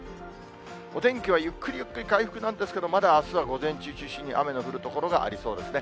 お天気はゆっくりゆっくり回復なんですけど、まだ、あすは午前中を中心に雨の降る所がありそうですね。